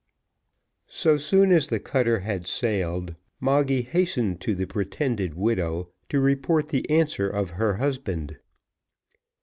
So soon as the cutter had sailed, Moggy hastened to the pretended widow to report the answer of her husband.